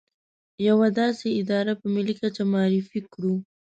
يوه داسې اداره په ملي کچه معرفي کړو.